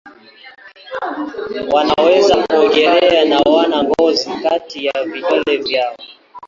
Wanaweza kuogelea na wana ngozi kati ya vidole vyao.